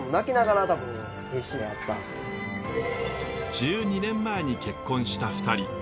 １２年前に結婚した２人。